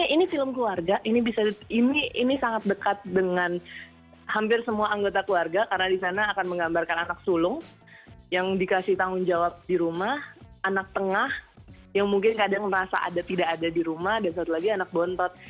ini film keluarga ini bisa ini sangat dekat dengan hampir semua anggota keluarga karena di sana akan menggambarkan anak sulung yang dikasih tanggung jawab di rumah anak tengah yang mungkin kadang merasa ada tidak ada di rumah dan satu lagi anak bontot